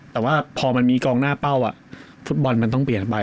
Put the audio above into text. แต่ว่าพอมันมีกองหน้าเป้าฟุตบอลมันต้องเปลี่ยนไป